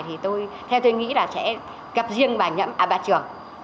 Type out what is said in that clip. thì tôi theo tôi nghĩ là sẽ gặp riêng bà trưởng